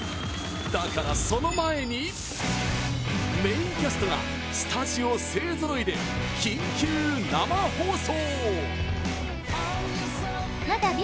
だからその前にメインキャストがスタジオ勢ぞろいで、緊急生放送！